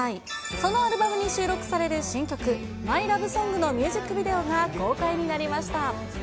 そのアルバムに収録される新曲、ＭｙＬｏｖｅＳｏｎｇのミュージックビデオが公開になりました。